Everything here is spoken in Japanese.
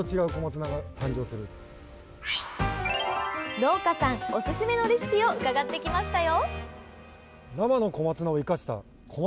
農家さんおすすめのレシピを伺ってきましたよ。